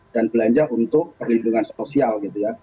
dan belanja untuk perlindungan sosial gitu ya